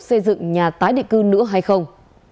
xây dựng nhà tái định cư nữa hay không